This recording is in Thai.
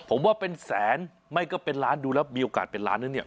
ผมว่าเป็นแสนไม่ก็เป็นล้านดูแล้วมีโอกาสเป็นล้านนะเนี่ย